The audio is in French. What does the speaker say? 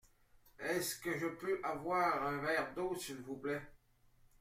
Est-ce que je peux avoir un verre d’eau s’il vous plait ?